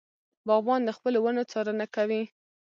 باغبان د خپلو ونو څارنه کوي.